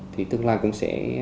thì tương lai cũng sẽ